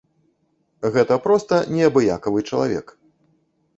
Гэта проста неабыякавы чалавек.